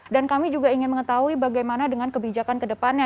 dan kami juga ingin mengetahui bagaimana dengan kebijakan ke depannya